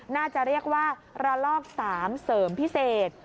น่าจะเรียกว่าระลอก๓เสริมพิเศษ